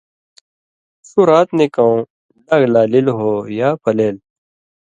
ݜُو رات نِکؤں ڈاگ لا لیل ہو یا پلېل۔